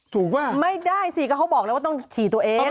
ป่ะไม่ได้สิก็เขาบอกแล้วว่าต้องฉี่ตัวเอง